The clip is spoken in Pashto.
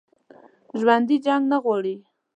ژوندي جنګ نه غواړي